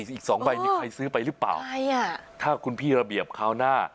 อีกสองใบมีใครซื้อไปหรือเปล่าใช่อ่ะถ้าคุณพี่ระเบียบคราวหน้า